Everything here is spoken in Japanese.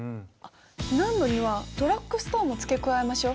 避難路にはドラッグストアも付け加えましょう。